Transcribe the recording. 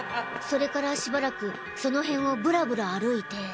それからしばらくその辺をブラブラ歩いて。